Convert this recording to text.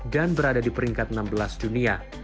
dan berada di peringkat enam belas dunia